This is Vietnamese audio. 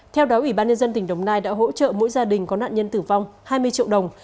theo đó ủy ban nhân dân tỉnh đồng nai đã hỗ trợ mỗi gia đình có nạn nhân tử vong hai mươi triệu đồng